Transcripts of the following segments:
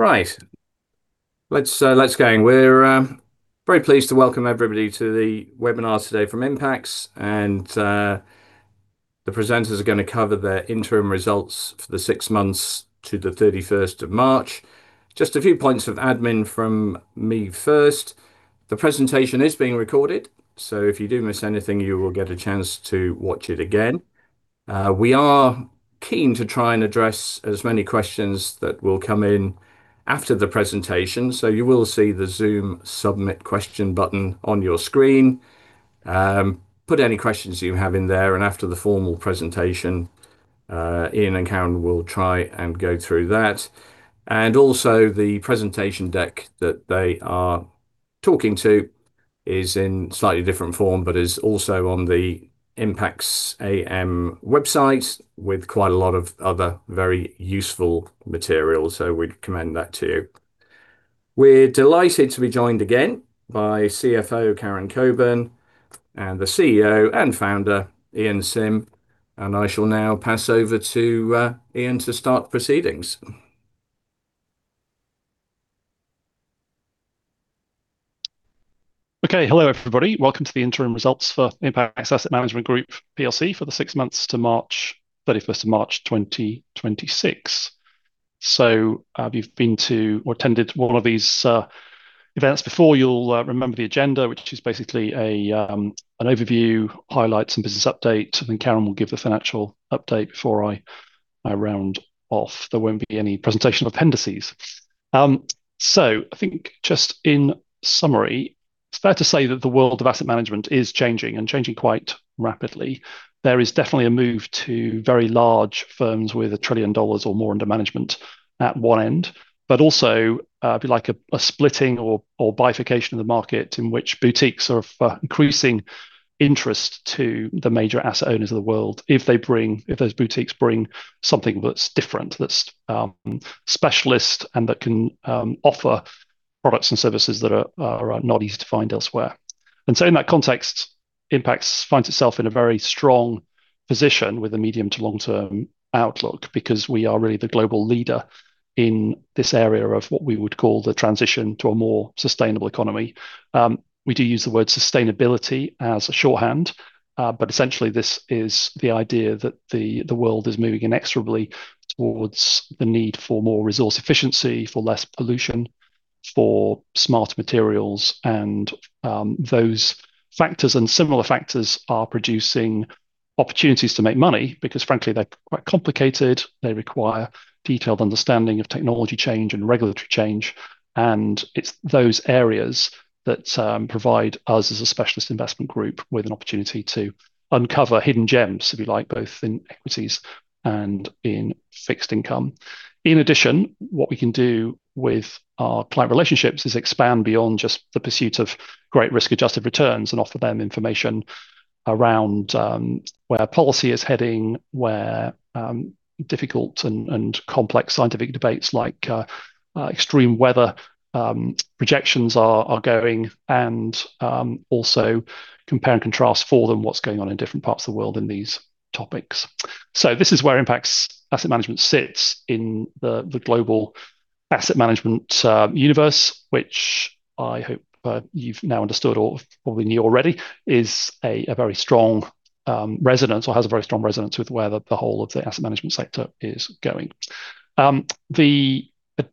Right. Let's go. We're very pleased to welcome everybody to the webinar today from Impax. The presenters are going to cover their interim results for the six months to the 31st of March. Just a few points of admin from me first. The presentation is being recorded. If you do miss anything, you will get a chance to watch it again. We are keen to try and address as many questions that will come in after the presentation. You will see the Zoom submit question button on your screen. Put any questions you have in there. After the formal presentation, Ian and Karen will try and go through that. Also, the presentation deck that they are talking to is in slightly different form, but is also on the Impax AM website with quite a lot of other very useful material. We'd recommend that, too. We're delighted to be joined again by CFO Karen Cockburn and the CEO and founder, Ian Simm. I shall now pass over to Ian to start proceedings. Okay. Hello, everybody. Welcome to the interim results for Impax Asset Management Group PLC for the six months to 31st of March 2026. If you've been to or attended one of these events before, you'll remember the agenda, which is basically an overview, highlights, and business update, and then Karen will give the financial update before I round off. There won't be any presentation appendices. I think just in summary, it's fair to say that the world of asset management is changing and changing quite rapidly. There is definitely a move to very large firms with $1 trillion or more under management at one end. Also, be like a splitting or bifurcation of the market in which boutiques are of increasing interest to the major asset owners of the world if those boutiques bring something that's different, that's specialist and that can offer products and services that are not easy to find elsewhere. In that context, Impax finds itself in a very strong position with a medium to long-term outlook because we are really the global leader in this area of what we would call the transition to a more sustainable economy. We do use the word sustainability as a shorthand. Essentially, this is the idea that the world is moving inexorably towards the need for more resource efficiency, for less pollution, for smarter materials, and those factors and similar factors are producing opportunities to make money because frankly, they're quite complicated. They require detailed understanding of technology change and regulatory change. It's those areas that provide us as a specialist investment group with an opportunity to uncover hidden gems, if you like, both in equities and in fixed income. In addition, what we can do with our client relationships is expand beyond just the pursuit of great risk-adjusted returns and offer them information around where policy is heading, where difficult and complex scientific debates like extreme weather projections are going and also compare and contrast for them what's going on in different parts of the world in these topics. This is where Impax Asset Management sits in the global asset management universe, which I hope you've now understood or probably knew already is a very strong resonance or has a very strong resonance with where the whole of the asset management sector is going. The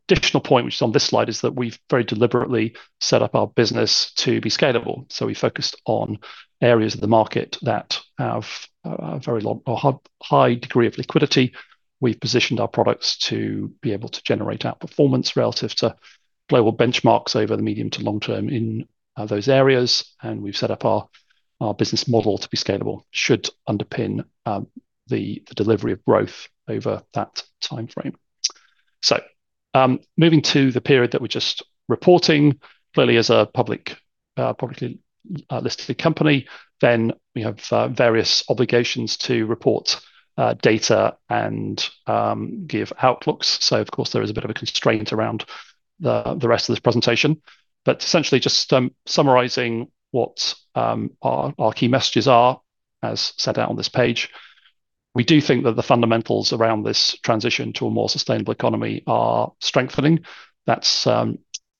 additional point, which is on this slide, is that we've very deliberately set up our business to be scalable. We focused on areas of the market that have a very long or high degree of liquidity. We've positioned our products to be able to generate outperformance relative to global benchmarks over the medium to long term in those areas. We've set up our business model to be scalable, should underpin the delivery of growth over that timeframe. Moving to the period that we're just reporting, clearly as a publicly listed company, then we have various obligations to report data and give outlooks. Of course, there is a bit of a constraint around the rest of this presentation. Essentially just summarizing what our key messages are as set out on this page. We do think that the fundamentals around this transition to a more sustainable economy are strengthening. That's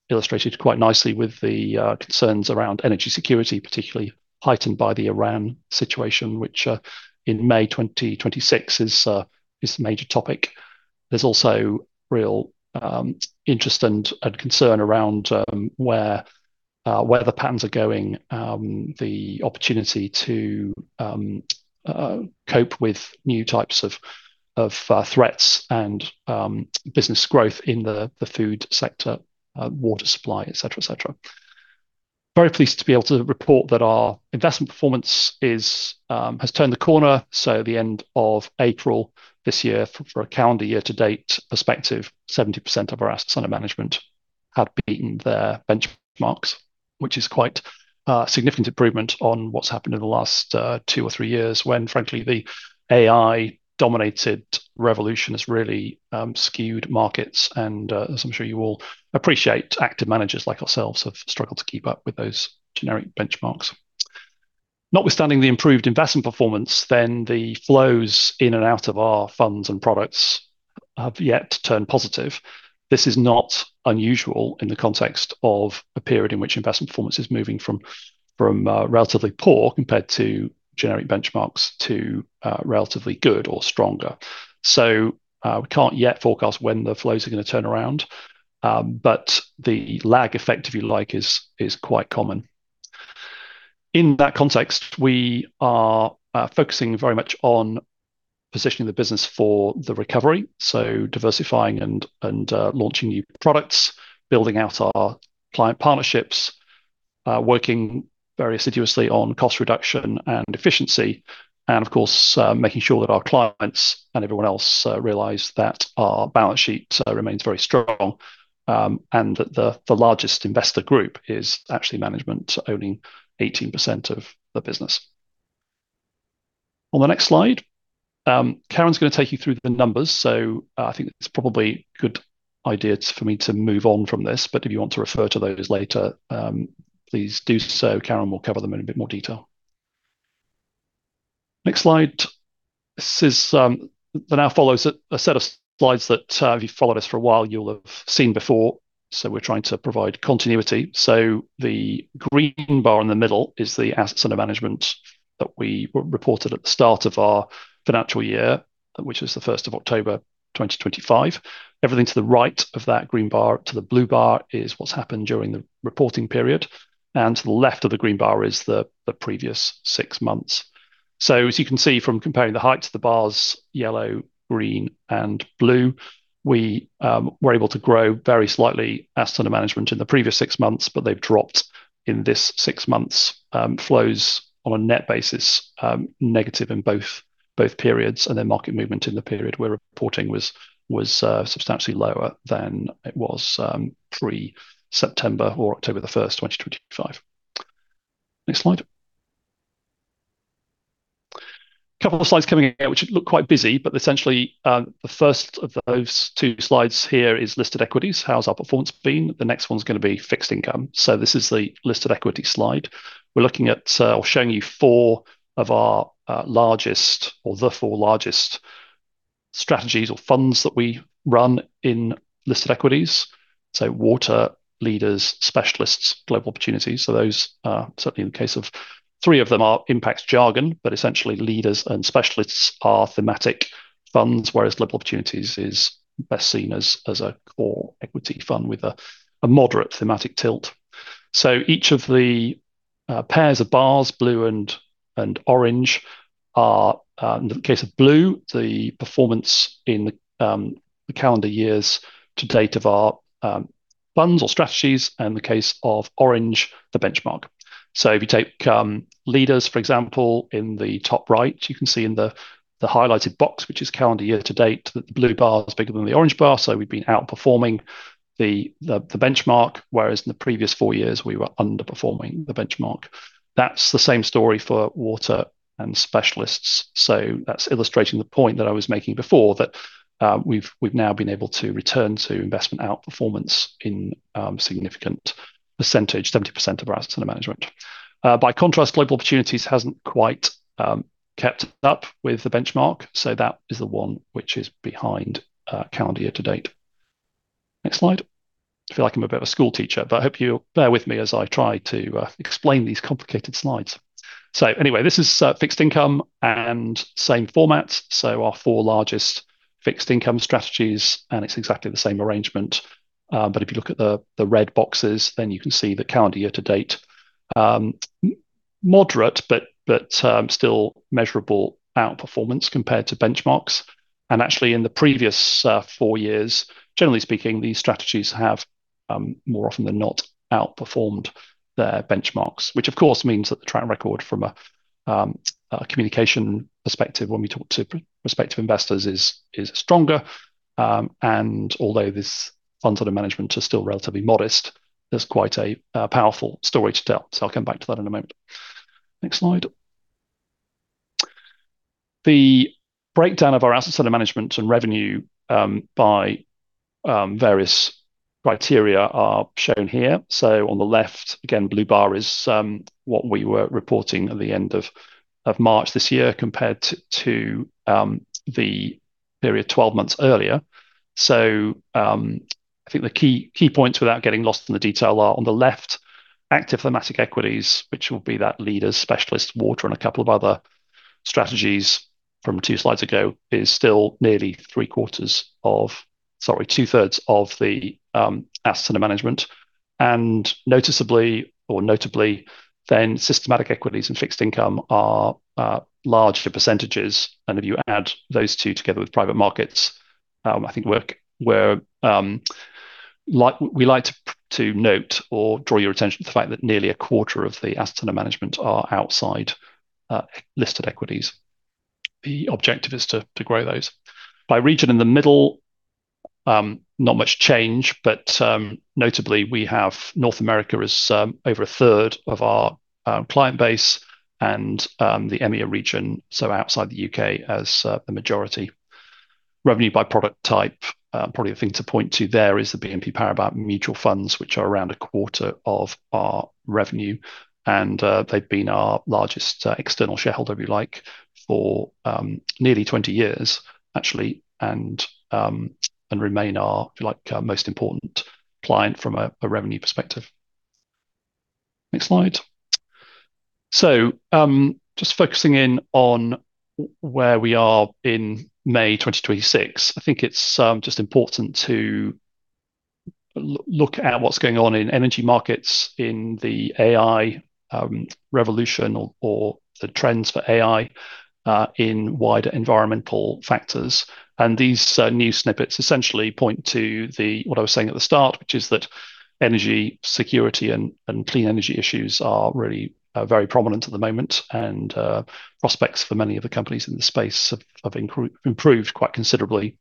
illustrated quite nicely with the concerns around energy security, particularly heightened by the Iran situation, which, in May 2026, is a major topic. There's also real interest and concern around where the patterns are going, the opportunity to cope with new types of threats and business growth in the food sector, water supply, et cetera. Very pleased to be able to report that our investment performance has turned the corner. At the end of April this year, for a calendar year to date perspective, 70% of our assets under management had beaten their benchmarks, which is quite a significant improvement on what's happened in the last two or three years when, frankly, the AI-dominated revolution has really skewed markets and, as I'm sure you all appreciate, active managers like ourselves have struggled to keep up with those generic benchmarks. Notwithstanding the improved investment performance, then the flows in and out of our funds and products have yet to turn positive. This is not unusual in the context of a period in which investment performance is moving from relatively poor compared to generic benchmarks to relatively good or stronger. We can't yet forecast when the flows are going to turn around, but the lag effect, if you like, is quite common. In that context, we are focusing very much on positioning the business for the recovery, so diversifying and launching new products, building out our client partnerships, working very assiduously on cost reduction and efficiency, and of course, making sure that our clients and everyone else realize that our balance sheet remains very strong and that the largest investor group is actually management owning 18% of the business. On the next slide, Karen Cockburn is going to take you through the numbers, so I think it's probably a good idea for me to move on from this, but if you want to refer to those later, please do so. Karen will cover them in a bit more detail. Next slide. There now follows a set of slides that if you've followed us for a while, you'll have seen before, so we're trying to provide continuity. The green bar in the middle is the assets under management that we reported at the start of our financial year, which was the 1st of October 2025. Everything to the right of that green bar to the blue bar is what's happened during the reporting period. To the left of the green bar is the previous six months. As you can see from comparing the heights of the bars, yellow, green, and blue, we were able to grow very slightly assets under management in the previous six months, but they've dropped in this six months. Flows on a net basis, negative in both periods. Market movement in the period we're reporting was substantially lower than it was pre-September or October 1st, 2025. Next slide. 2 slides coming here, which look quite busy, but essentially, the first of those two slides here is listed equities. How has our performance been? The next one is going to be fixed income. This is the listed equity slide. We're looking at or showing you four of our largest or the four largest strategies or funds that we run in listed equities. Water, Leaders, Specialists, Global Opportunities. Those are certainly in the case of three of them are Impax jargon, but essentially Leaders and Specialists are thematic funds, whereas Global Opportunities is best seen as a core equity fund with a moderate thematic tilt. Each of the pairs of bars, blue and orange, are, in the case of blue, the performance in the calendar years to date of our funds or strategies, and the case of orange, the benchmark. If you take Leaders, for example, in the top right, you can see in the highlighted box, which is calendar year to date, that the blue bar is bigger than the orange bar, so we've been outperforming the benchmark, whereas in the previous four years, we were underperforming the benchmark. That's the same story for Water and Specialists. That's illustrating the point that I was making before that we've now been able to return to investment outperformance in significant percentage, 70% of our assets under management. By contrast, Global Opportunities hasn't quite kept up with the benchmark. That is the one which is behind calendar year to date. Next slide. I feel like I'm a bit of a school teacher, but I hope you'll bear with me as I try to explain these complicated slides. Anyway, this is fixed income and same format. Our four largest fixed income strategies. It's exactly the same arrangement. If you look at the red boxes, then you can see the calendar year-to-date. Moderate, but still measurable outperformance compared to benchmarks. Actually, in the previous four years, generally speaking, these strategies have, more often than not, outperformed their benchmarks, which of course means that the track record from a communication perspective when we talk to prospective investors is stronger. Although this funds under management are still relatively modest, there's quite a powerful story to tell. I'll come back to that in a moment. Next slide. The breakdown of our assets under management and revenue by various criteria are shown here. On the left, again, blue bar is what we were reporting at the end of March this year compared to the period 12 months earlier. I think the key points without getting lost in the detail are on the left, active thematic equities, which will be that Leaders, Specialists, Water, and a couple of other strategies from two slides ago, is still nearly 2/3 of the assets under management. Noticeably or notably, systematic equities and fixed income are larger percentages. If you add those two together with private markets, I think we like to note or draw your attention to the fact that nearly a quarter of the assets under management are outside listed equities. The objective is to grow those. By region in the middle, not much change, but notably, we have North America as over a third of our client base and the EMEA region, so outside the U.K., as the majority. Revenue by product type. Probably the thing to point to there is the BNP Paribas mutual funds, which are around 1/4 of our revenue, and they've been our largest external shareholder, if you like, for nearly 20 years actually, and remain our, if you like, most important client from a revenue perspective. Next slide. Just focusing in on where we are in May 2026, I think it's just important to look at what's going on in energy markets, in the AI revolution or the trends for AI in wider environmental factors. These new snippets essentially point to what I was saying at the start, which is that energy security and clean energy issues are really very prominent at the moment. Prospects for many of the companies in the space have improved quite considerably.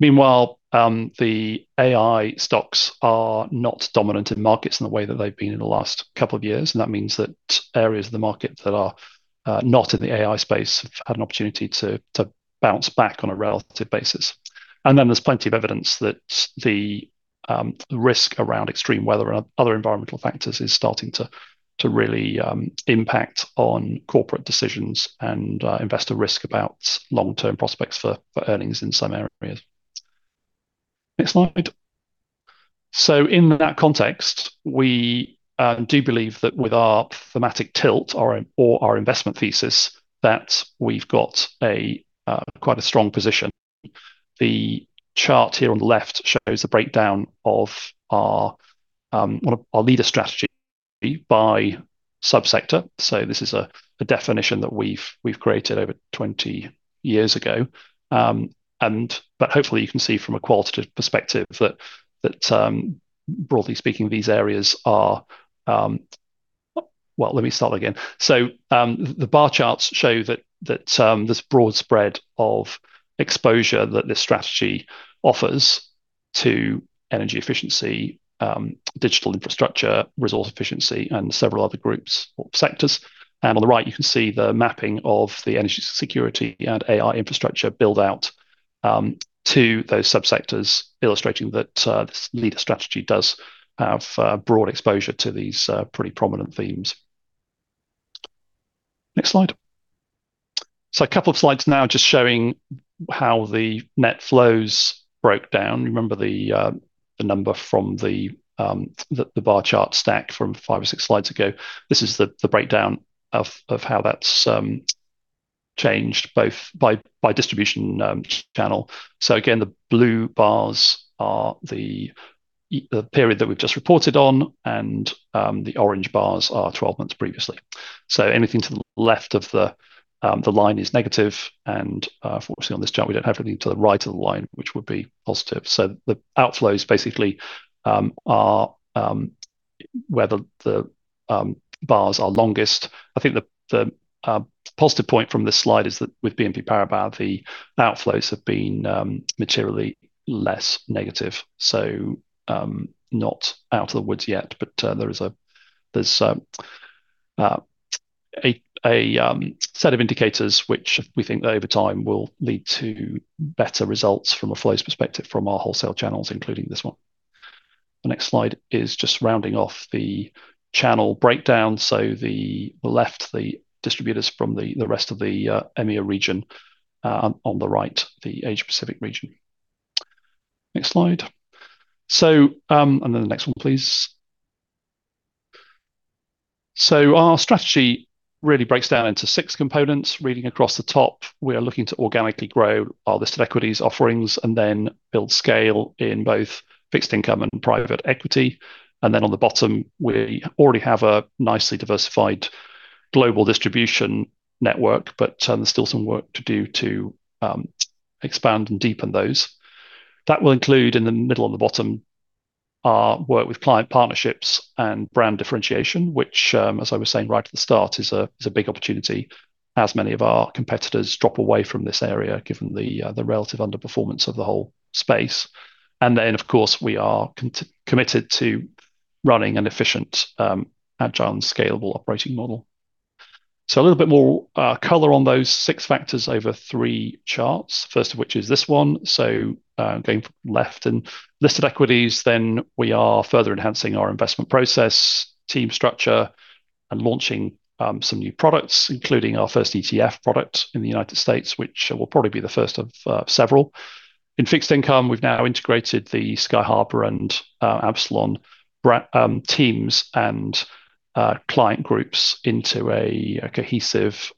Meanwhile, the AI stocks are not dominant in markets in the way that they've been in the last two years, and that means that areas of the market that are not in the AI space have had an opportunity to bounce back on a relative basis. There's plenty of evidence that the risk around extreme weather and other environmental factors is starting to really impact on corporate decisions and investor risk about long-term prospects for earnings in some areas. Next slide. In that context, we do believe that with our thematic tilt or our investment thesis, that we've got quite a strong position. The chart here on the left shows the breakdown of our Leaders strategy by sub-sector. This is a definition that we've created over 20 years ago. The bar charts show that this broad spread of exposure that this strategy offers to energy efficiency, digital infrastructure, resource efficiency, and several other groups or sectors. On the right, you can see the mapping of the energy security and AI infrastructure build-out to those sub-sectors, illustrating that this Leaders strategy does have broad exposure to these pretty prominent themes. Next slide. A couple of slides now just showing how the net flows broke down. Remember the number from the bar chart stack from five or six slides ago. This is the breakdown of how that's changed, both by distribution channel. Again, the blue bars are the period that we've just reported on, and the orange bars are 12 months previously. Anything to the left of the line is negative, and unfortunately on this chart, we don't have anything to the right of the line, which would be positive. The outflows basically are where the bars are longest. I think the positive point from this slide is that with BNP Paribas, the outflows have been materially less negative. Not out of the woods yet, but there's a set of indicators which we think over time will lead to better results from a flows perspective from our wholesale channels, including this one. The next slide is just rounding off the channel breakdown. The left, the distributors from the rest of the EMEA region, on the right, the Asia-Pacific region. Next slide. The next one, please. Our strategy really breaks down into six components. Reading across the top, we are looking to organically grow our listed equities offerings and then build scale in both fixed income and private equity. On the bottom, we already have a nicely diversified global distribution network, but there's still some work to do to expand and deepen those. That will include, in the middle on the bottom, our work with client partnerships and brand differentiation, which, as I was saying right at the start, is a big opportunity as many of our competitors drop away from this area, given the relative underperformance of the whole space. Of course, we are committed to running an efficient, agile, scalable operating model. A little bit more color on those six factors over three charts, first of which is this one. Going from left and listed equities, then we are further enhancing our investment process, team structure, and launching some new products, including our first ETF product in the U.S., which will probably be the first of several. In fixed income, we've now integrated the SKY Harbor and Absalon teams and client groups into a cohesive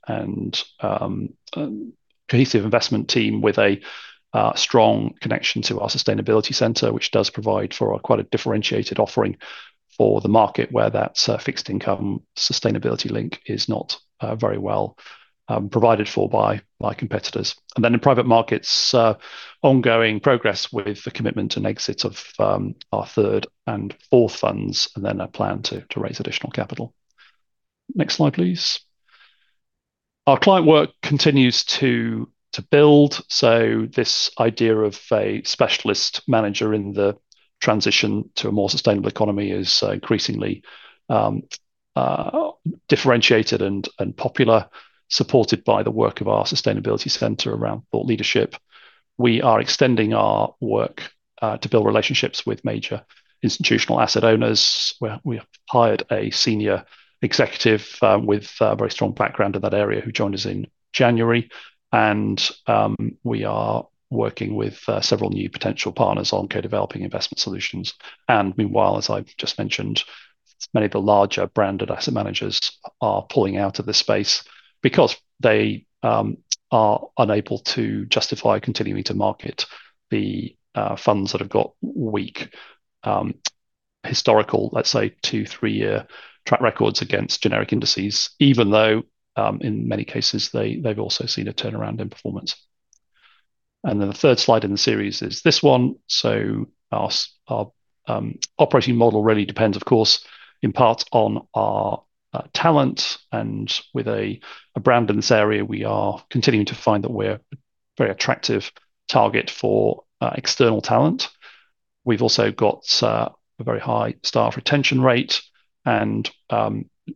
investment team with a strong connection to our sustainability center, which does provide for quite a differentiated offering for the market where that fixed income sustainability link is not very well provided for by competitors. In private markets, ongoing progress with the commitment and exit of our third and fourth funds, and then a plan to raise additional capital. Next slide, please. Our client work continues to build. This idea of a specialist manager in the transition to a more sustainable economy is increasingly differentiated and popular, supported by the work of our sustainability center around thought leadership. We are extending our work to build relationships with major institutional asset owners, where we have hired a senior executive with a very strong background in that area, who joined us in January. We are working with several new potential partners on co-developing investment solutions. Meanwhile, as I've just mentioned, many of the larger branded asset managers are pulling out of this space because they are unable to justify continuing to market the funds that have got weak historical, let's say, two, three-year track records against generic indices, even though, in many cases, they've also seen a turnaround in performance. The third slide in the series is this one. Our operating model really depends, of course, in part on our talent and with a brand in this area, we are continuing to find that we're a very attractive target for external talent. We've also got a very high staff retention rate and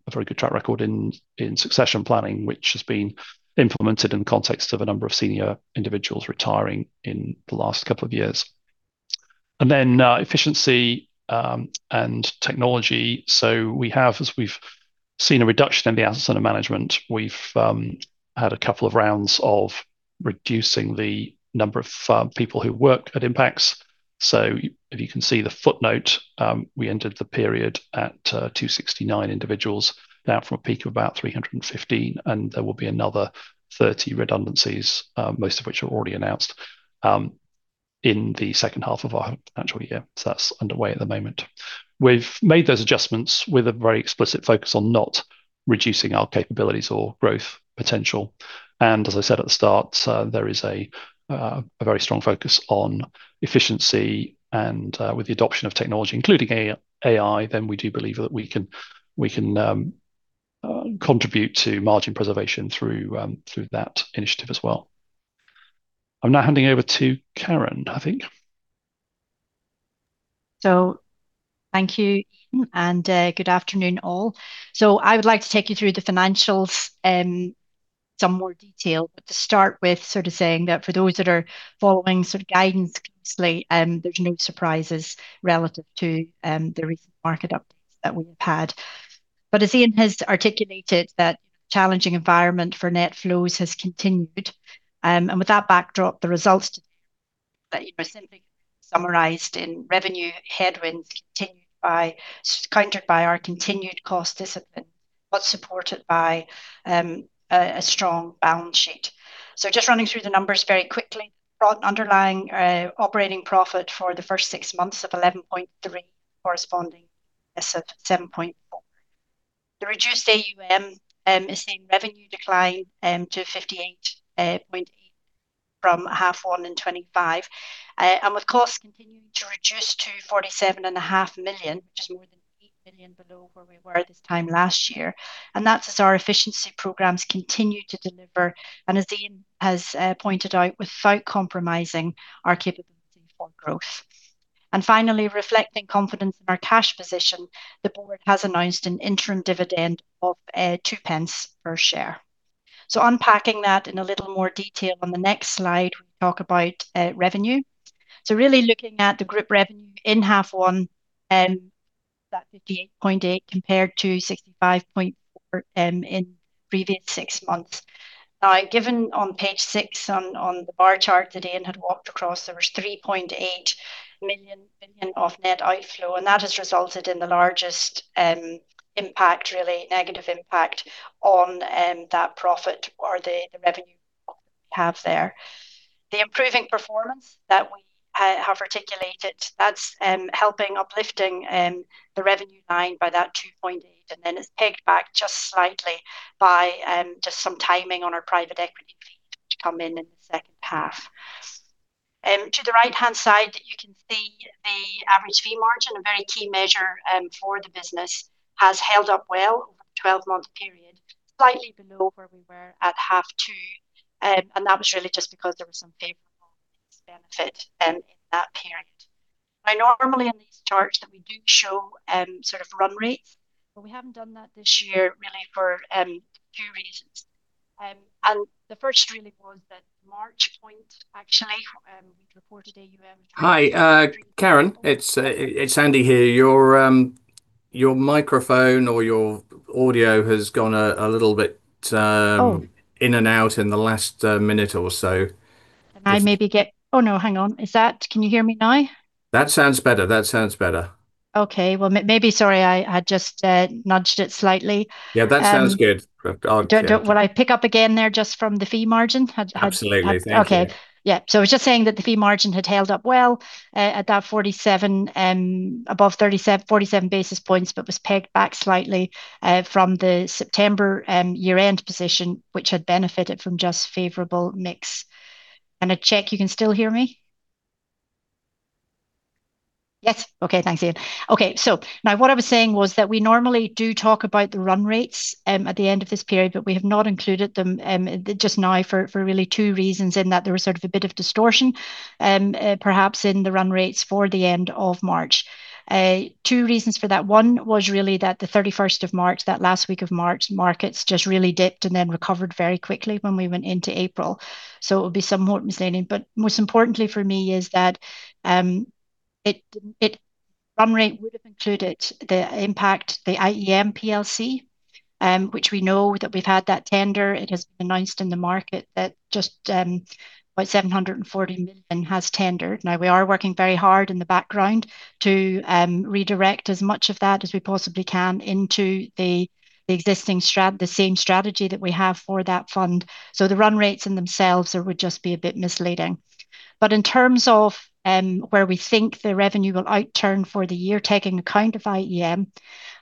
a very good track record in succession planning, which has been implemented in the context of a number of senior individuals retiring in the last couple of years. Efficiency and technology. We have, as we've seen, a reduction in the assets under management. We've had a couple of rounds of reducing the number of people who work at Impax. If you can see the footnote, we ended the period at 269 individuals, down from a peak of about 315, and there will be another 30 redundancies, most of which are already announced, in the second half of our financial year. That's underway at the moment. We've made those adjustments with a very explicit focus on not reducing our capabilities or growth potential. As I said at the start, there is a very strong focus on efficiency and with the adoption of technology, including AI, we do believe that we can contribute to margin preservation through that initiative as well. I'm now handing over to Karen. I think. Thank you, Ian, and good afternoon, all. I would like to take you through the financials in some more detail. To start with sort of saying that for those that are following sort of guidance closely, there's no surprises relative to the recent market updates that we have had. As Ian has articulated, that challenging environment for net flows has continued. With that backdrop, the results that Ian recently summarized in revenue headwinds countered by our continued cost discipline, but supported by a strong balance sheet. Just running through the numbers very quickly. Broad underlying operating profit for the first six months of 11.3 million corresponding as of 7.4 million The reduced AUM has seen revenue decline to 58.8 million from half one in 2025. With costs continuing to reduce to 47.5 million, which is more than 8 million below where we were this time last year. That's as our efficiency programs continue to deliver, as Ian has pointed out, without compromising our capability for growth. Finally, reflecting confidence in our cash position, the board has announced an interim dividend of 0.02 per share. Unpacking that in a little more detail, on the next slide, we talk about revenue. Really looking at the group revenue in half one, that GBP 58.8 million compared to 65.4 million in the previous six months. Given on page six on the bar chart that Ian had walked across, there was 3.8 million of net outflow, that has resulted in the largest impact, really negative impact, on that profit or the revenue we have there. The improving performance that we have articulated, that's helping uplifting the revenue line by that 2.8 million, and then it's pegged back just slightly by just some timing on our private equity fee to come in in the second half. To the right-hand side, you can see the average fee margin, a very key measure for the business, has held up well over the 12-month period, slightly below where we were at half two, and that was really just because there was some favorable benefit in that period. Now, normally in these charts that we do show sort of run rates, but we haven't done that this year really for two reasons. The first really was that the March point, actually, we reported AUM. Hi, Karen. It's Andy here. Your microphone or your audio has gone a little bit. Oh. In and out in the last minute or so. Can I maybe Oh, no. Hang on. Can you hear me now? That sounds better. Okay. Well, maybe, sorry, I had just nudged it slightly. Yeah, that sounds good. Will I pick up again there just from the fee margin? Absolutely. Thank you. Okay. Yeah. I was just saying that the fee margin had held up well at that 47, above 47 basis points, but was pegged back slightly from the September year-end position, which had benefited from just favorable mix. A check you can still hear me? Yes. Okay, thanks, Ian. Okay, now what I was saying was that we normally do talk about the run rates at the end of this period, but we have not included them just now for really two reasons, in that there was sort of a bit of distortion perhaps in the run rates for the end of March. Two reasons for that. 1 was really that the 31st of March, that last week of March, markets just really dipped and then recovered very quickly when we went into April. It would be somewhat misleading. Most importantly for me is that the run rate would've included the impact of the IEM plc, which we know that we've had that tender. It has been announced in the market that just about 740 million has tendered. We are working very hard in the background to redirect as much of that as we possibly can into the existing strat, the same strategy that we have for that fund. The run rates in themselves would just be a bit misleading. In terms of where we think the revenue will outturn for the year, taking account of IEM,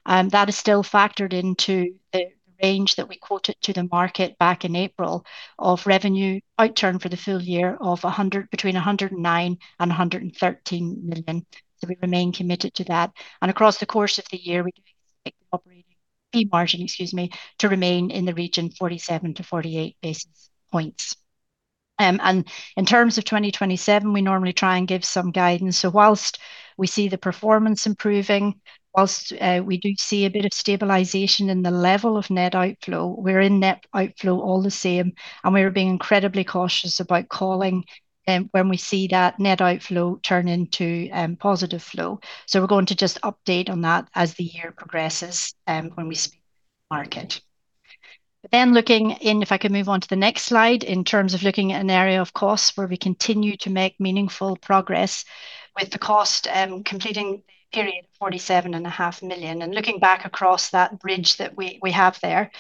that is still factored into the range that we quoted to the market back in April of revenue outturn for the full year of between 109 million and 113 million. We remain committed to that. Across the course of the year, we do expect the operating fee margin, excuse me, to remain in the region 47-48 basis points. In terms of 2027, we normally try and give some guidance. Whilst we see the performance improving, whilst we do see a bit of stabilization in the level of net outflow, we're in net outflow all the same, and we're being incredibly cautious about calling when we see that net outflow turn into positive flow. We're going to just update on that as the year progresses when we speak to the market. Looking in, if I could move on to the next slide, in terms of looking at an area of costs where we continue to make meaningful progress with the cost, completing the period, 47.5 million. Looking back across that bridge that we have there,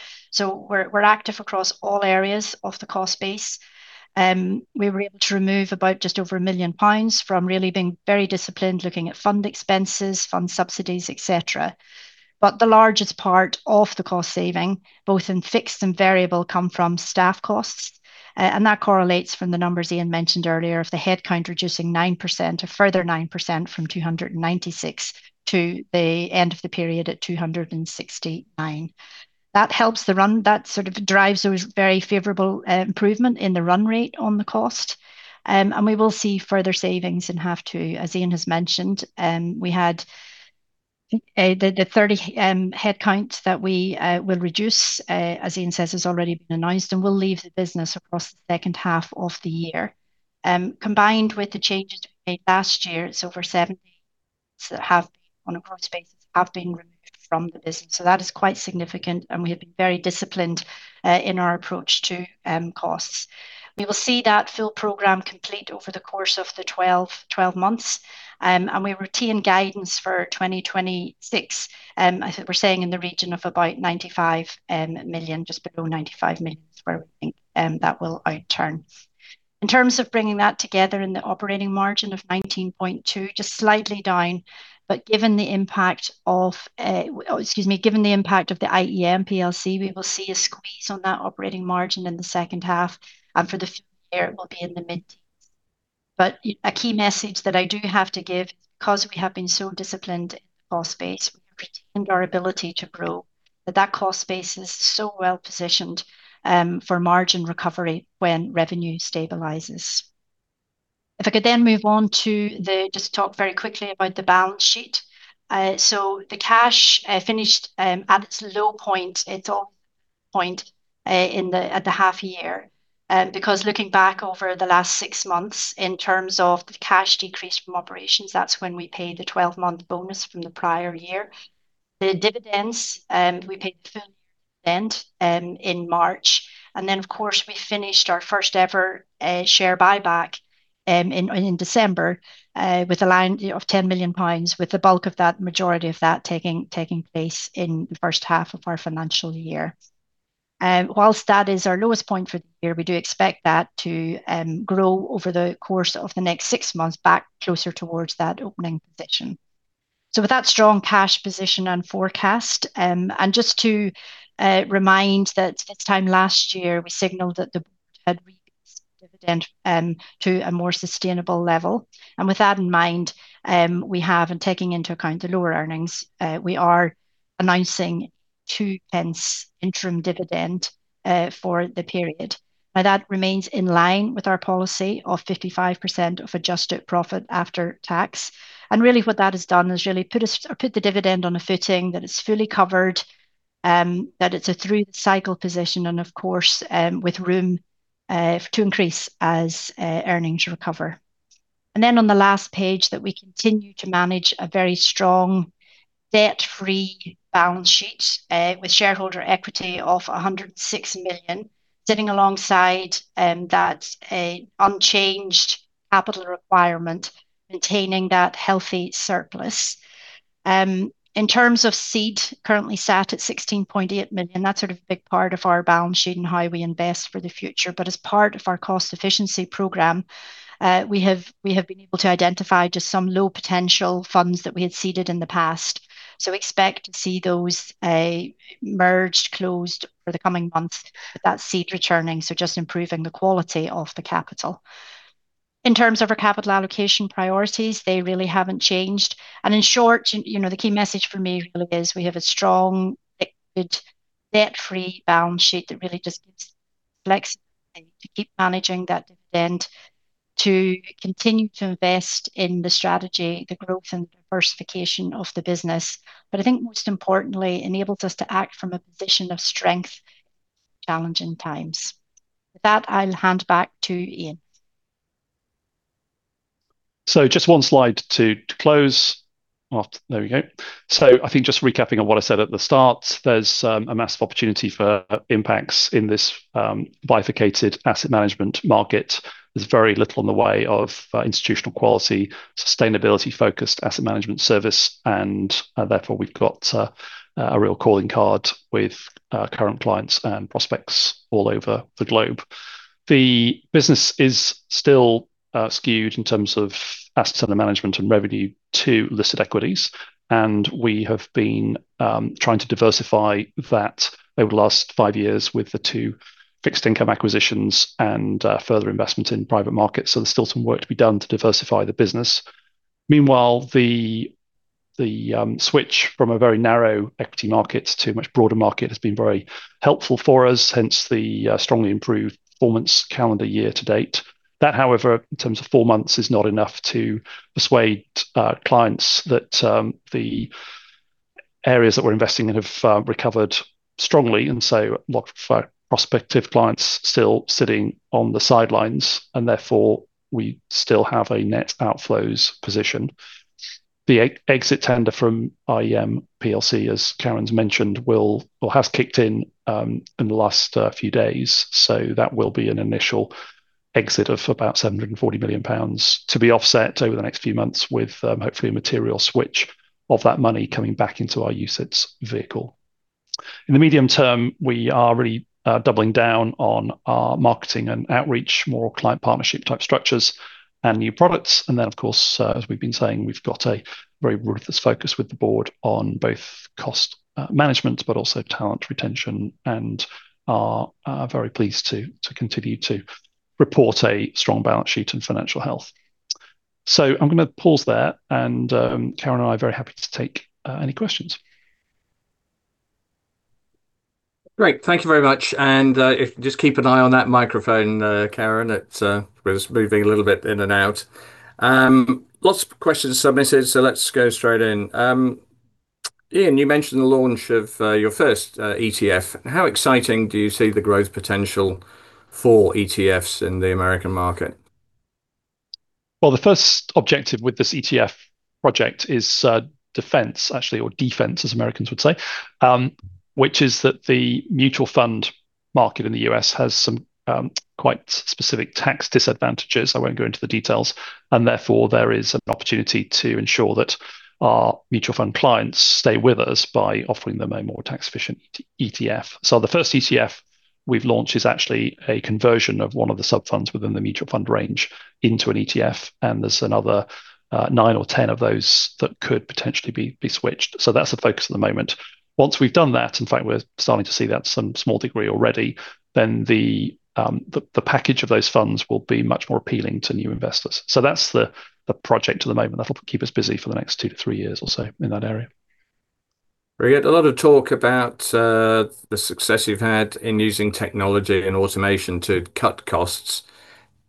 we're active across all areas of the cost base. We were able to remove about just over 1 million pounds from really being very disciplined, looking at fund expenses, fund subsidies, et cetera. The largest part of the cost saving, both in fixed and variable, come from staff costs. That correlates from the numbers Ian mentioned earlier of the headcount reducing 9%, a further 9% from 296 to the end of the period at 269. That helps the run. That sort of drives a very favorable improvement in the run rate on the cost. We will see further savings in half two. As Ian as mentioned, we had the 30 headcount that we will reduce, as Ian says, has already been announced and will leave the business across the second half of the year. Combined with the changes we made last year, for 70 that have been, on a group basis, have been removed from the business. That is quite significant, and we have been very disciplined in our approach to costs. We will see that full program complete over the course of the 12 months. We retain guidance for 2026. I think we're saying in the region of about 95 million, just below 95 million is where we think that will outturn. In terms of bringing that together in the operating margin of 19.2%, just slightly down, but given the impact of the IEM plc, we will see a squeeze on that operating margin in the second half, and for the full year it will be in the mid-teens. A key message that I do have to give, because we have been so disciplined in the cost base, we have retained our ability to grow. That that cost base is so well positioned for margin recovery when revenue stabilizes. If I could then move on to just talk very quickly about the balance sheet. The cash finished at its low point, its off point at the half year. Looking back over the last six months in terms of the cash decrease from operations, that's when we paid the 12-month bonus from the prior year. The dividends, we paid the full year dividend in March. Of course, we finished our first ever share buyback in December, with a line of 10 million pounds, with the bulk of that, the majority of that, taking place in the first half of our financial year. While that is our lowest point for the year, we do expect that to grow over the course of the next six months back closer towards that opening position. With that strong cash position and forecast, and just to remind that this time last year, we signaled that the Board had increased the dividend to a more sustainable level. With that in mind, we have, and taking into account the lower earnings, we are announcing 0.02 interim dividend for the period. Now, that remains in line with our policy of 55% of adjusted profit after tax. Really what that has done is really put the dividend on a footing that it's fully covered, that it's a through-cycle position and of course, with room to increase as earnings recover. On the last page, that we continue to manage a very strong debt-free balance sheet, with shareholder equity of 106 million sitting alongside that unchanged capital requirement, maintaining that healthy surplus. In terms of seed, currently sat at 16.8 million. That's sort of a big part of our balance sheet and how we invest for the future. As part of our cost efficiency program, we have been able to identify just some low potential funds that we had seeded in the past. Expect to see those merged, closed for the coming months, with that seed returning, just improving the quality of the capital. In terms of our capital allocation priorities, they really haven't changed. In short, the key message for me really is we have a strong, liquid, debt-free balance sheet that really just gives flexibility to keep managing that dividend, to continue to invest in the strategy, the growth and diversification of the business. I think most importantly, enables us to act from a position of strength in challenging times. With that, I'll hand back to Ian. Just one slide to close. There we go. I think just recapping on what I said at the start, there's a massive opportunity for Impax in this bifurcated asset management market. There's very little in the way of institutional quality, sustainability-focused asset management service, and therefore, we've got a real calling card with our current clients and prospects all over the globe. The business is still skewed in terms of assets under management and revenue to listed equities, and we have been trying to diversify that over the last five years with the two fixed income acquisitions and further investment in private markets. There's still some work to be done to diversify the business. Meanwhile, the switch from a very narrow equity market to a much broader market has been very helpful for us, hence the strongly improved performance calendar year to date. That, however, in terms of four months, is not enough to persuade clients that the areas that we're investing in have recovered strongly, and so a lot of prospective clients still sitting on the sidelines, and therefore, we still have a net outflows position. The exit tender from IEM plc, as Karen's mentioned, has kicked in in the last few days. That will be an initial exit of about 740 million pounds to be offset over the next few months with, hopefully, a material switch of that money coming back into our UCITS vehicle. In the medium term, we are really doubling down on our marketing and outreach, more client partnership-type structures and new products. Of course, as we've been saying, we've got a very ruthless focus with the board on both cost management, but also talent retention, and are very pleased to continue to report a strong balance sheet and financial health. I'm going to pause there, and Karen and I are very happy to take any questions. Great. Thank you very much. If you just keep an eye on that microphone, Karen. We're just moving a little bit in and out. Lots of questions submitted, let's go straight in. Ian, you mentioned the launch of your first ETF. How exciting do you see the growth potential for ETFs in the American market? The first objective with this ETF project is defense, actually, or defense, as Americans would say, which is that the mutual fund market in the U.S. has some quite specific tax disadvantages. I won't go into the details. Therefore, there is an opportunity to ensure that our mutual fund clients stay with us by offering them a more tax-efficient ETF. The first ETF we've launched is actually a conversion of one of the sub-funds within the mutual fund range into an ETF, and there's another nine or 10 of those that could potentially be switched. That's the focus at the moment. Once we've done that, in fact, we're starting to see that to some small degree already, then the package of those funds will be much more appealing to new investors. That's the project at the moment. That'll keep us busy for the next two to three years or so in that area. We get a lot of talk about the success you've had in using technology and automation to cut costs.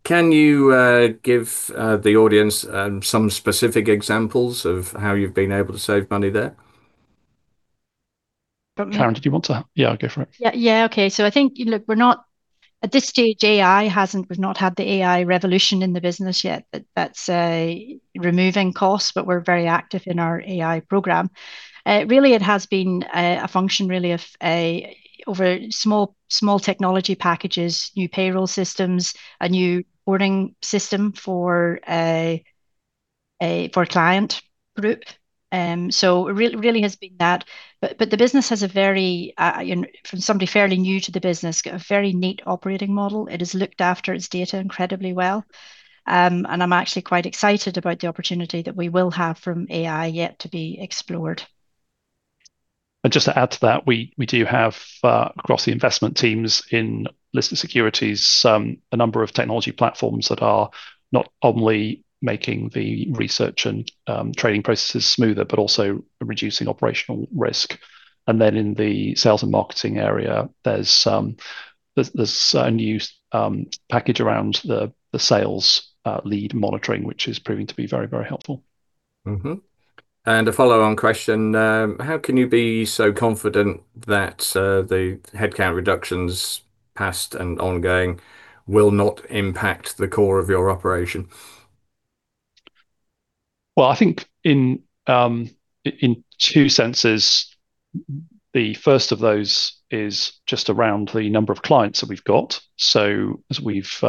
Can you give the audience some specific examples of how you've been able to save money there? Karen, did you want to? Yeah, go for it. I think, look, at this stage, we've not had the AI revolution in the business yet. That's removing costs, but we're very active in our AI program. Really, it has been a function, really, of over small technology packages, new payroll systems, a new boarding system for a client group. It really has been that. The business has a very, from somebody fairly new to the business, a very neat operating model. It has looked after its data incredibly well. I'm actually quite excited about the opportunity that we will have from AI yet to be explored. Just to add to that, we do have, across the investment teams in listed securities, a number of technology platforms that are not only making the research and trading processes smoother, but also reducing operational risk. In the sales and marketing area, there's a new package around the sales lead monitoring, which is proving to be very helpful. A follow-on question. How can you be so confident that the headcount reductions, past and ongoing, will not impact the core of your operation? I think in two senses. The first of those is just around the number of clients that we've got. As we've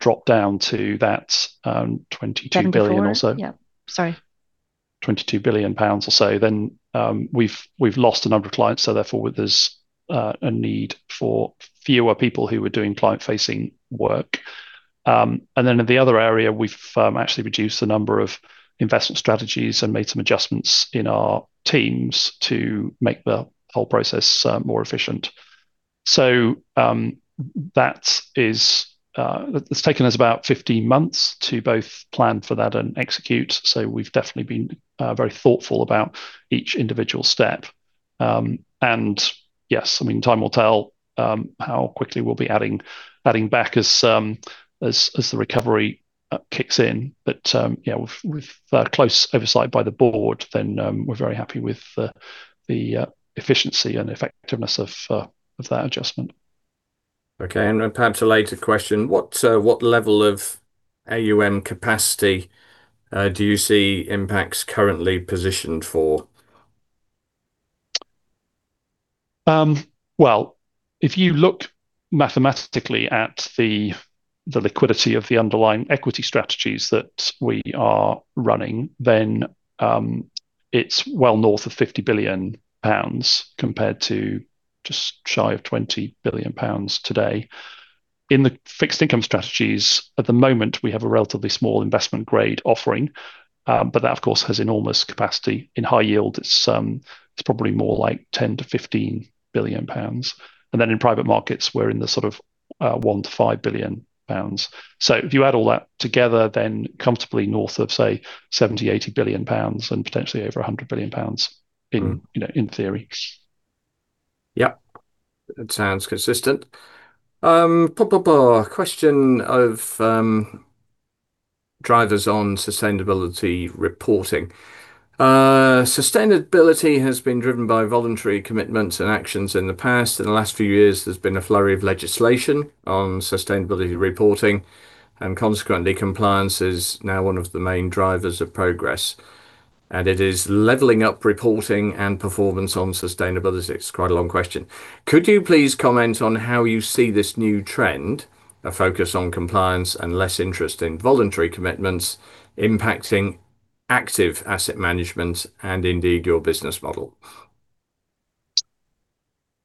dropped down to that 22 billion or so. Yeah, sorry. 22 billion pounds or so, then we've lost a number of clients, so therefore, there's a need for fewer people who are doing client-facing work. In the other area, we've actually reduced the number of investment strategies and made some adjustments in our teams to make the whole process more efficient. That's taken us about 15 months to both plan for that and execute. Yes, time will tell how quickly we'll be adding back as the recovery kicks in. With close oversight by the board, then we're very happy with the efficiency and effectiveness of that adjustment. Okay, perhaps a later question, what level of AUM capacity do you see Impax currently positioned for? If you look mathematically at the liquidity of the underlying equity strategies that we are running, then it's well north of 50 billion pounds, compared to just shy of 20 billion pounds today. In the fixed income strategies, at the moment, we have a relatively small investment-grade offering. That, of course, has enormous capacity. In high yield, it's probably more like 10 billion-15 billion pounds. Then in private markets, we're in the sort of 1 billion-5 billion pounds. If you add all that together, then comfortably north of, say, 70 billion, 80 billion pounds and potentially over 100 billion pounds in theory. Yep. That sounds consistent. Question of drivers on sustainability reporting. Sustainability has been driven by voluntary commitments and actions in the past. In the last few years, there's been a flurry of legislation on sustainability reporting, and consequently, compliance is now one of the main drivers of progress. It is leveling up reporting and performance on sustainability. It's quite a long question. Could you please comment on how you see this new trend, a focus on compliance and less interest in voluntary commitments impacting active asset management and indeed your business model?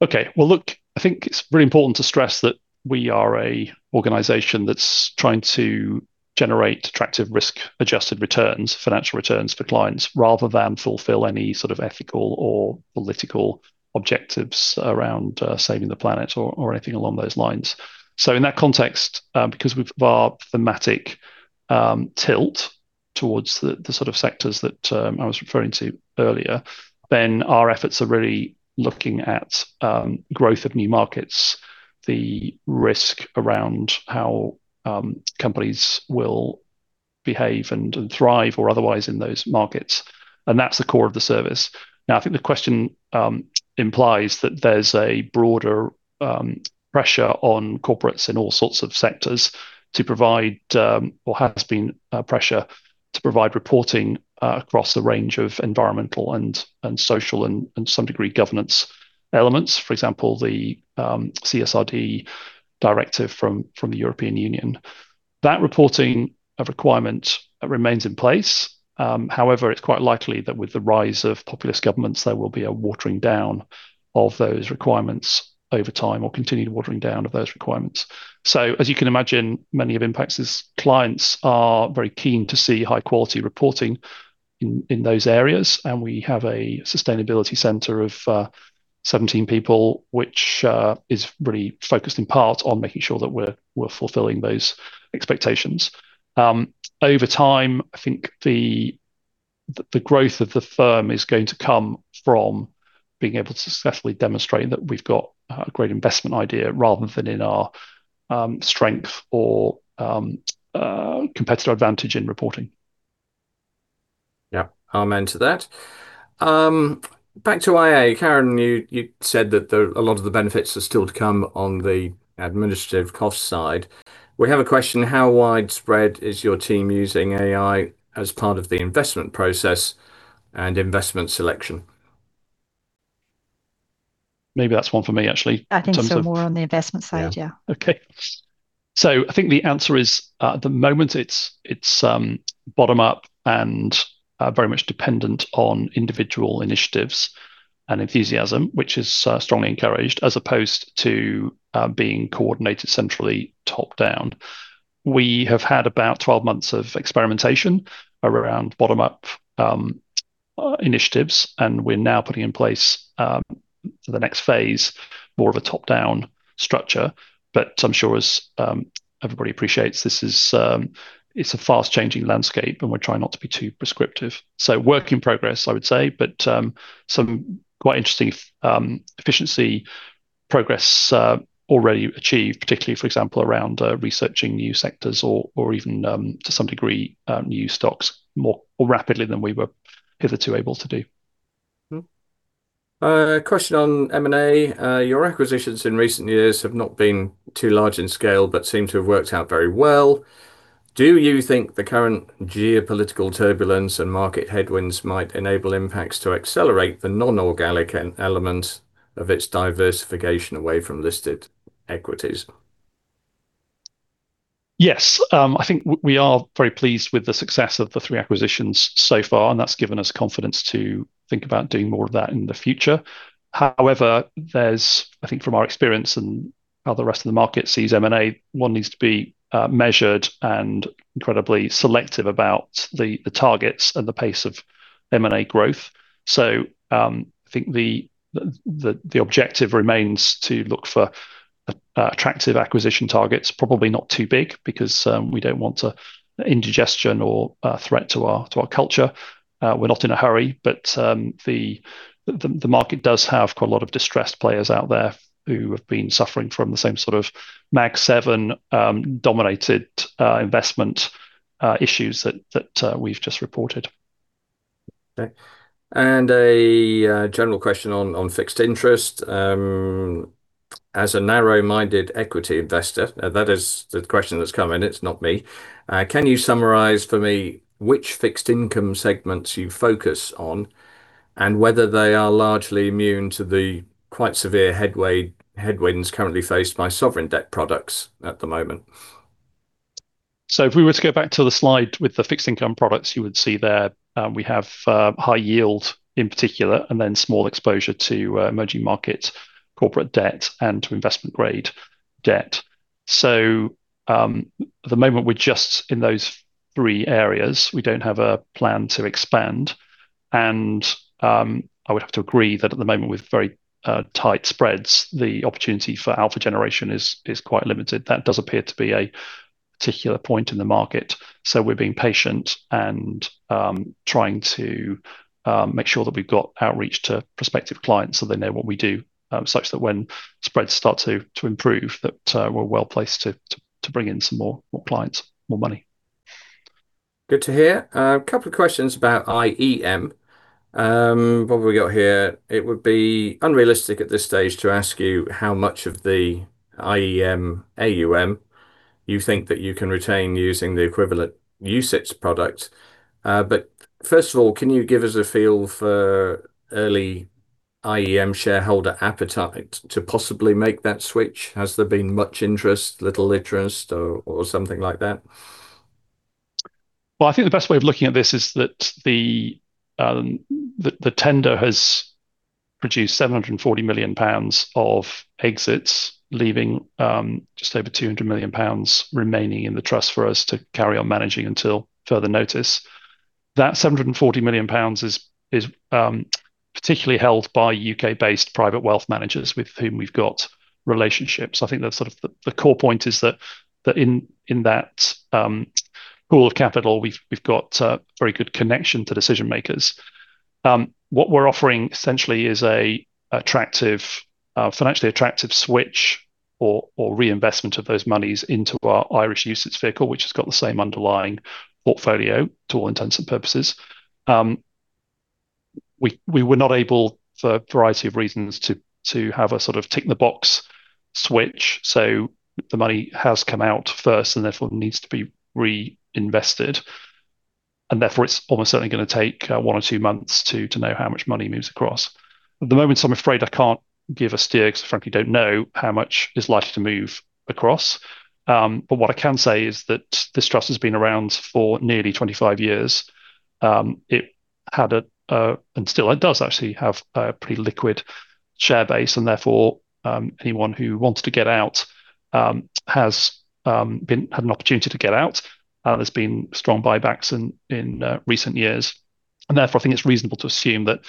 Okay. Well, look, I think it's very important to stress that we are an organization that's trying to generate attractive risk-adjusted returns, financial returns for clients, rather than fulfill any sort of ethical or political objectives around saving the planet or anything along those lines. In that context, because of our thematic tilt towards the sort of sectors that I was referring to earlier, then our efforts are really looking at growth of new markets, the risk around how companies will behave and thrive or otherwise in those markets. That's the core of the service. Now, I think the question implies that there's a broader pressure on corporates in all sorts of sectors to provide, or has been pressure to provide reporting across a range of environmental and social and some degree, governance elements. For example, the CSRD directive from the European Union. That reporting requirement remains in place. However, it's quite likely that with the rise of populist governments, there will be a watering down of those requirements over time or continued watering down of those requirements. As you can imagine, many of Impax's clients are very keen to see high quality reporting in those areas, and we have a sustainability center of 17 people, which is really focused in part on making sure that we're fulfilling those expectations. Over time, I think the growth of the firm is going to come from being able to successfully demonstrate that we've got a great investment idea rather than in our strength or competitive advantage in reporting. Amen to that. Back to AI. Karen, you said that a lot of the benefits are still to come on the administrative cost side. We have a question, how widespread is your team using AI as part of the investment process and investment selection? Maybe that's one for me, actually, in terms of. I think so, more on the investment side. Yeah. I think the answer is, at the moment, it's bottom-up and very much dependent on individual initiatives and enthusiasm, which is strongly encouraged as opposed to being coordinated centrally top-down. We have had about 12 months of experimentation around bottom-up initiatives, and we're now putting in place, for the next phase, more of a top-down structure. I'm sure as everybody appreciates, this is a fast changing landscape and we're trying not to be too prescriptive. Work in progress, I would say, but some quite interesting efficiency progress already achieved, particularly, for example, around researching new sectors or even, to some degree, new stocks more rapidly than we were hitherto able to do. Question on M&A. Your acquisitions in recent years have not been too large in scale, but seem to have worked out very well. Do you think the current geopolitical turbulence and market headwinds might enable Impax to accelerate the non-organic element of its diversification away from listed equities? Yes. I think we are very pleased with the success of the three acquisitions so far, and that's given us confidence to think about doing more of that in the future. However, there's, I think from our experience and how the rest of the market sees M&A, one needs to be measured and incredibly selective about the targets and the pace of M&A growth. I think the objective remains to look for attractive acquisition targets. Probably not too big because we don't want a indigestion or a threat to our culture. We're not in a hurry, but the market does have quite a lot of distressed players out there who have been suffering from the same sort of Magnificent Seven dominated investment issues that we've just reported. Okay. A general question on fixed interest. As a narrow-minded equity investor, that is the question that's come in, it's not me. can you summarize for me which fixed income segments you focus on and whether they are largely immune to the quite severe headwinds currently faced by sovereign debt products at the moment? If we were to go back to the slide with the fixed income products, you would see there we have high yield in particular and then small exposure to emerging markets, corporate debt, and to investment-grade debt. At the moment we're just in those three areas. We don't have a plan to expand and I would have to agree that at the moment with very tight spreads, the opportunity for alpha generation is quite limited. That does appear to be a particular point in the market. We're being patient and trying to make sure that we've got outreach to prospective clients so they know what we do, such that when spreads start to improve, that we're well-placed to bring in some more clients, more money. Good to hear. A couple of questions about IEM. What have we got here? It would be unrealistic at this stage to ask you how much of the IEM AUM you think that you can retain using the equivalent UCITS product. First of all, can you give us a feel for early IEM shareholder appetite to possibly make that switch? Has there been much interest, little interest, or something like that? Well, I think the best way of looking at this is that the tender has produced 740 million pounds of exits, leaving just over 200 million pounds remaining in the trust for us to carry on managing until further notice. That 740 million pounds is particularly held by U.K.-based private wealth managers with whom we've got relationships. I think the core point is that in that pool of capital, we've got very good connection to decision-makers. What we're offering essentially is a financially attractive switch or reinvestment of those monies into our Irish UCITS vehicle, which has got the same underlying portfolio to all intents and purposes. We were not able, for a variety of reasons, to have a sort of tick-in-the-box switch so the money has come out first and therefore needs to be reinvested. Therefore it's almost certainly going to take one or two months to know how much money moves across. At the moment, I'm afraid I can't give a steer because frankly don't know how much is likely to move across. What I can say is that this trust has been around for nearly 25 years. It had and still does actually have a pretty liquid share base and therefore, anyone who wanted to get out has had an opportunity to get out. There's been strong buybacks in recent years and therefore I think it's reasonable to assume that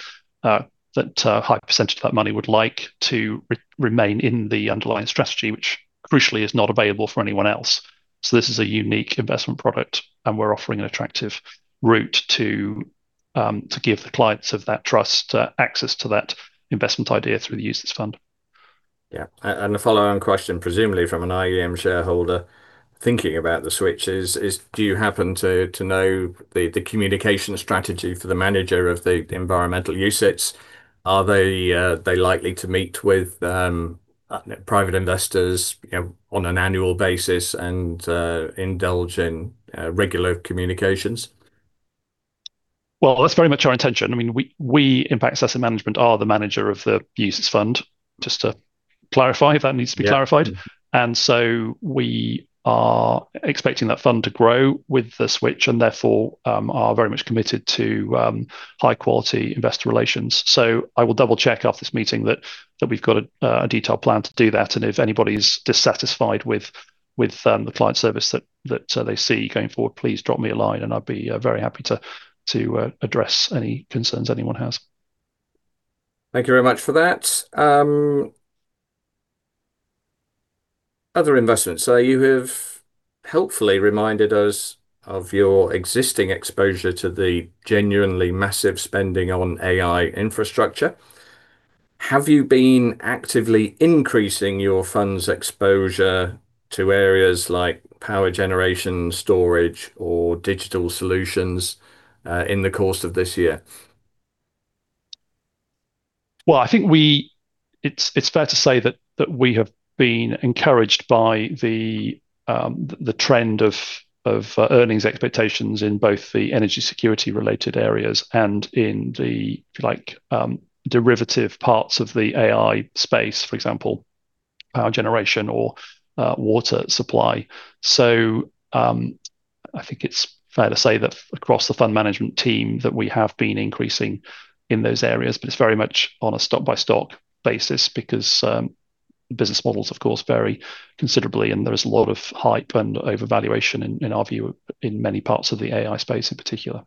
a high percentage of that money would like to remain in the underlying strategy, which crucially is not available for anyone else. This is a unique investment product and we're offering an attractive route to give the clients of that trust access to that investment idea through the UCITS fund. Yeah. A follow-on question, presumably from an IEM shareholder thinking about the switch is, do you happen to know the communication strategy for the manager of the environmental UCITS? Are they likely to meet with private investors on an annual basis and indulge in regular communications? Well, that's very much our intention. We, Impax Asset Management, are the manager of the UCITS fund, just to clarify, if that needs to be clarified. Yeah. We are expecting that fund to grow with the switch and therefore are very much committed to high-quality investor relations. I will double-check after this meeting that we've got a detailed plan to do that and if anybody's dissatisfied with the client service that they see going forward, please drop me a line and I'd be very happy to address any concerns anyone has. Thank you very much for that. Other investments. You have helpfully reminded us of your existing exposure to the genuinely massive spending on AI infrastructure. Have you been actively increasing your fund's exposure to areas like power generation storage or digital solutions in the course of this year? Well, I think it's fair to say that we have been encouraged by the trend of earnings expectations in both the energy security related areas and in the, if you like, derivative parts of the AI space. For example, power generation or water supply. I think it's fair to say that across the fund management team, that we have been increasing in those areas, but it's very much on a stock-by-stock basis because business models, of course, vary considerably, and there is a lot of hype and overvaluation in our view, in many parts of the AI space in particular.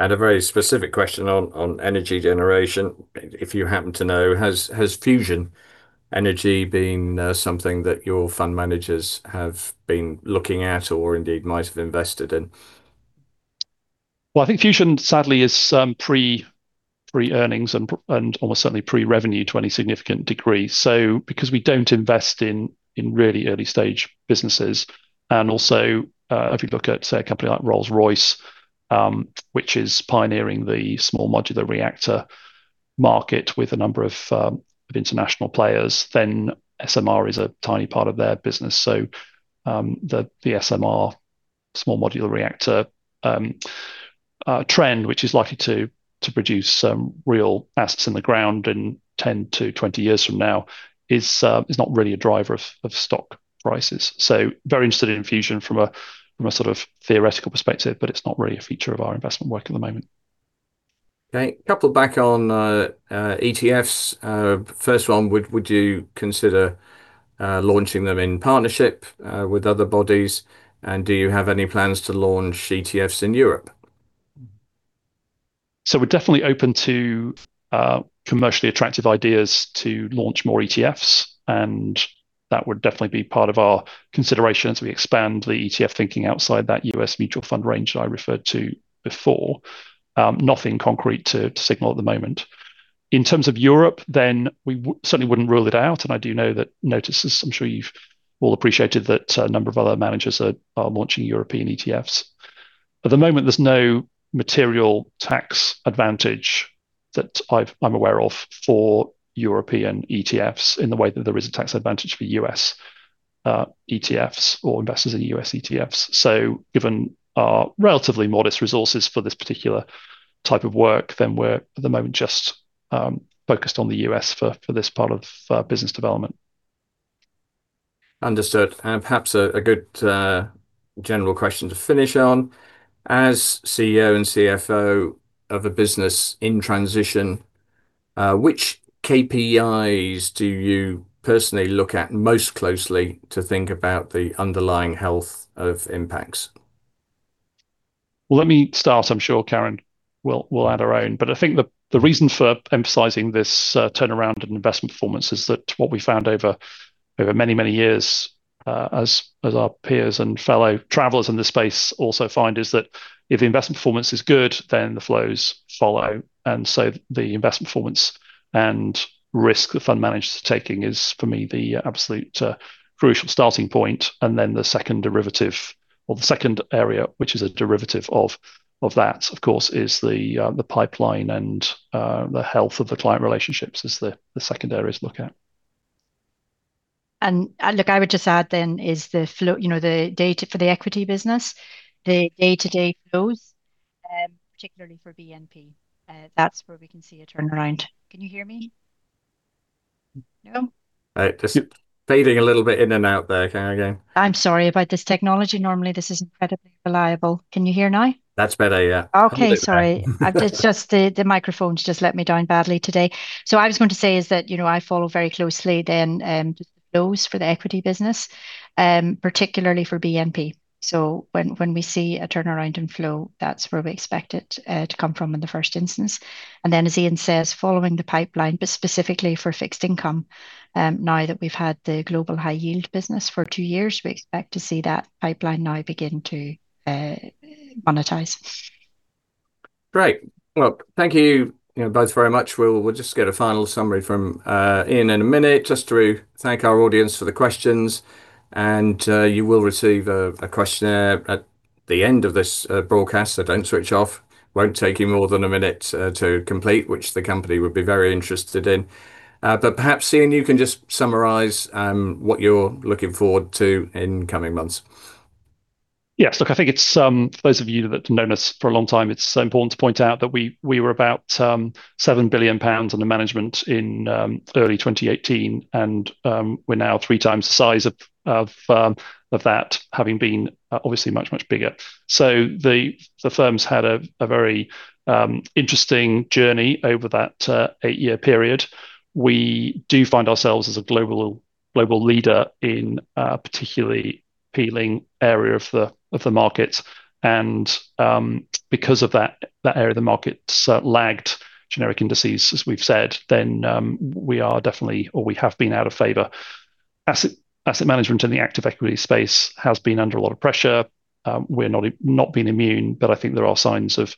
A very specific question on energy generation. If you happen to know, has fusion energy been something that your fund managers have been looking at or indeed might have invested in? Well, I think fusion sadly is pre-earnings and almost certainly pre-revenue to any significant degree. Because we don't invest in really early-stage businesses, and also, if you look at, say, a company like Rolls-Royce, which is pioneering the small modular reactor market with a number of international players, then SMR is a tiny part of their business. The SMR, small modular reactor trend, which is likely to produce some real assets in the ground in 10 to 20 years from now, is not really a driver of stock prices. Very interested in fusion from a sort of theoretical perspective, but it's not really a feature of our investment work at the moment. Okay. Couple back on ETFs. First one, would you consider launching them in partnership with other bodies? Do you have any plans to launch ETFs in Europe? We're definitely open to commercially attractive ideas to launch more ETFs, and that would definitely be part of our consideration as we expand the ETF thinking outside that U.S. mutual fund range that I referred to before. Nothing concrete to signal at the moment. In terms of Europe then, we certainly wouldn't rule it out, and I do know that notices, I'm sure you've all appreciated that a number of other managers are launching European ETFs. At the moment, there's no material tax advantage that I'm aware of for European ETFs in the way that there is a tax advantage for U.S. ETFs or investors in U.S. ETFs. Given our relatively modest resources for this particular type of work, then we're at the moment just focused on the U.S. for this part of business development. Understood, perhaps a good general question to finish on. As CEO and CFO of a business in transition, which KPIs do you personally look at most closely to think about the underlying health of Impax's? Let me start. I'm sure Karen will add her own. I think the reason for emphasizing this turnaround in investment performance is that what we found over many, many years, as our peers and fellow travelers in this space also find, is that if the investment performance is good, then the flows follow. The investment performance and risk the fund manager is taking is, for me, the absolute crucial starting point. The second derivative, or the second area, which is a derivative of that, of course, is the pipeline and the health of the client relationships is the second area to look at. Look, I would just add then is the flow, for the equity business, the day-to-day flows, particularly for BNP, that's where we can see a turnaround. Can you hear me? No? Just fading a little bit in and out there. Go again. I'm sorry about this technology. Normally, this is incredibly reliable. Can you hear now? That's better, yeah. Okay. Sorry. A little bit better. The microphone's just let me down badly today. I was going to say is that, I follow very closely then, the flows for the equity business, particularly for BNP. When we see a turnaround in flow, that's where we expect it to come from in the first instance. As Ian says, following the pipeline, but specifically for fixed income, now that we've had the global high yield business for two years, we expect to see that pipeline now begin to monetize. Great. Well, thank you both very much. We'll just get a final summary from Ian in a minute, just to thank our audience for the questions, and you will receive a questionnaire at the end of this broadcast, so don't switch off. Won't take you more than a minute to complete, which the company would be very interested in. Perhaps, Ian, you can just summarize what you're looking forward to in coming months. Yes, look, I think it is for those of you that have known us for a long time, it is important to point out that we were about £7 billion under management in early 2018, and we are now three times the size of that, having been obviously much, much bigger. The firm's had a very interesting journey over that eight-year period. We do find ourselves as a global leader in a particularly appealing area of the market. Because of that area of the market's lagged generic indices, as we've said, then we are definitely, or we have been, out of favor. Asset management in the active equity space has been under a lot of pressure. We're not being immune, but I think there are signs of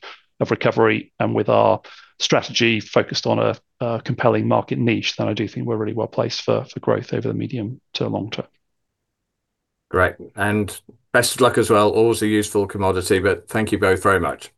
recovery, and with our strategy focused on a compelling market niche, I do think we're really well-placed for growth over the medium to long term. Great. Best of luck as well. Always a useful commodity, thank you both very much. Thank you.